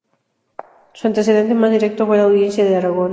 Su antecedente más directo fue la Audiencia de Aragón.